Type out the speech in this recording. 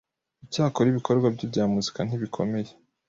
icyakora ibikorwa bye bya muzika ntibikomeye